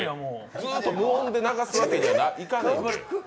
ずっと無音で流すわけにはいかないので。